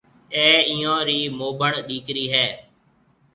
اَي ايئيون رِي موڀڻ ڏِيڪرِي هيَ۔